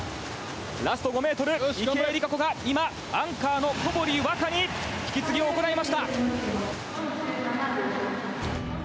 ラスト５ｍ池江璃花子が今、アンカーの小堀倭加に引き継ぎを行いました。